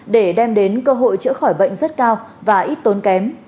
để đem đến cơ hội chữa khỏi bệnh rất cao và ít tốn kém